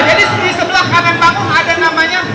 jadi di sebelah kanan bangung ada namanya